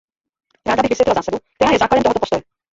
Ráda bych vysvětlila zásadu, která je základem tohoto postoje.